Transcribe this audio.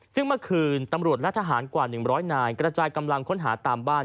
ซึ่งเมื่อคืนตำรวจและทหารกว่า๑๐๐นายกระจายกำลังค้นหาตามบ้าน